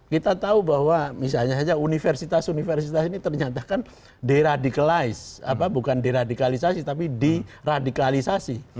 kita tahu bahwa misalnya saja universitas universitas ini ternyata kan deradikal bukan deradikalisasi tapi diradikalisasi